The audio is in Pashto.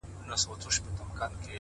پوهه د تیروتنو شمېر راکموي؛